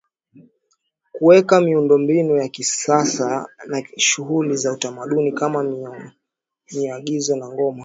Kuweka miundombinu ya kisasa na shughuli za utamaduni kama maigizo na ngoma